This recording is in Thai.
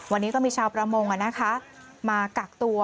วันนี้ก็มีชาวประมงมากักตัว